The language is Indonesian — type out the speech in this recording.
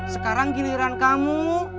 sekarang giliran kamu